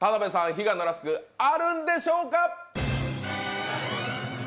悲願のラスク、あるんでしょうか？